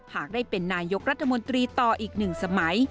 หากได้เป็นนายกรัฐมนตรีต่ออีก๑สมัย